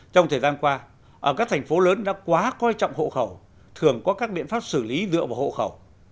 trong thời gian qua ở các thành phố lớn đã quá coi trọng hộ khẩu thường có các biện pháp xử lý dựa vào hộ khẩu